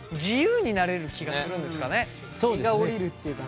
荷が下りるっていうかね。